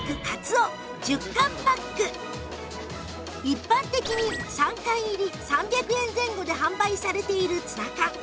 一般的に３缶入り３００円前後で販売されているツナ缶